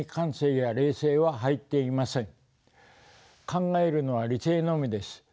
考えるのは理性のみです。